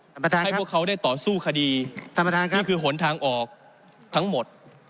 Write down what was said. ท่านประธานให้พวกเขาได้ต่อสู้คดีท่านประธานครับนี่คือหนทางออกทั้งหมด